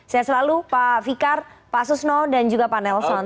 saya selalu pak fikar pak susno dan juga pak nelson